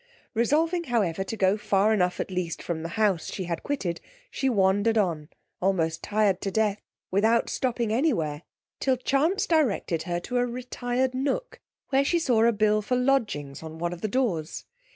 Resolving, however, to go far enough, at least, from the house she had quitted, she wandered on, almost tired to death, without stopping any where, till chance directed her to a retired nook, where she saw a bill for lodgings on one of the doors.